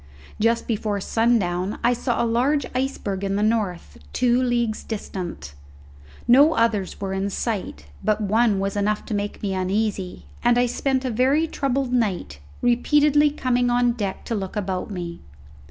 Just before sundown I saw a large iceberg in the north, two leagues distant; no others were in sight, but one was enough to make me uneasy, and I spent a very troubled night, repeatedly coming on deck to look about me.